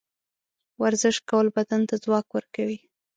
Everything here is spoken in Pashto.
ورزش کول بدن ته ځواک ورکوي.